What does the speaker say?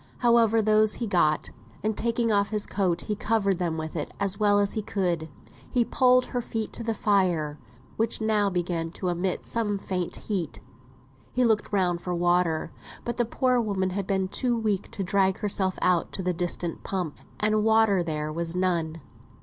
However, those he got; and taking off his coat he covered them with it as well as he could. He pulled her feet to the fire, which now began to emit some faint heat. He looked round for water, but the poor woman had been too weak to drag herself out to the distant pump, and water there was none.